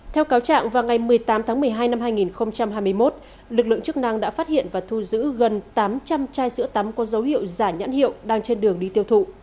theo cáo trạng vào ngày một mươi tám tháng một mươi hai năm hai nghìn hai mươi một lực lượng chức năng đã phát hiện và thu giữ gần tám trăm linh chai sữa tắm có dấu hiệu giả nhãn hiệu đang trên đường đi tiêu thụ